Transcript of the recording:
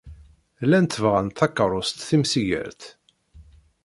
Llant bɣant takeṛṛust timsigert.